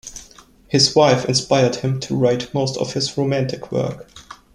His wife inspired him to write most of his romantic work.